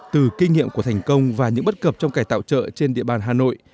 từ kinh nghiệm của thành công và những bất cập trong cải tạo chợ trên địa bàn hà nội